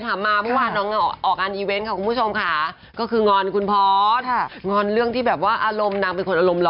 ความจริงเก็บซ่อนเอาไว้